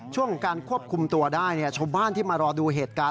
ช่วงการควบคุมตัวได้ชาวบ้านที่มารอดูเหตุการณ์